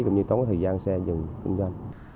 cũng như tốn thời gian xe dùng kinh doanh